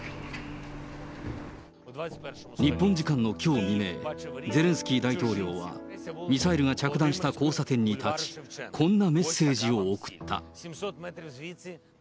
日本時間のきょう未明、ゼレンスキー大統領は、ミサイルが着弾した交差点に立ち、こんなメッセージを送った。